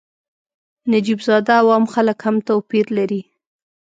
نجیب زاده او عام خلک هم توپیر لري.